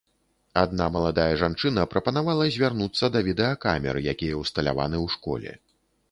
Адна маладая жанчына прапанавала звярнуцца да відэакамер, якія ўсталяваны ў школе.